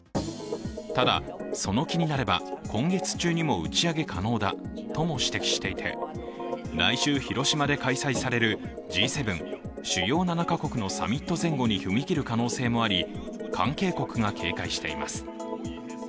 ただ、その気になれば今月中にも打ち上げ可能だとも指摘していて来週、広島で開催されるＧ７＝主要７か国のサミット前後に踏み切る可能性もあり、関係国が警戒しています。